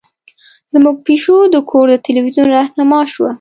زمونږ پیشو د کور د تلویزیون رهنما شوه.